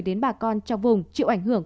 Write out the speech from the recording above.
đến bà con trong vùng chịu ảnh hưởng